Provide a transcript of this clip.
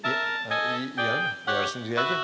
iya iya sendiri aja